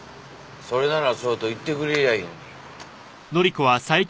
それならそうと言ってくれりゃいいのに。